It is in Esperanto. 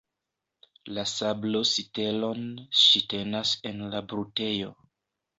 La sablo-sitelon ŝi tenas en la brutejo.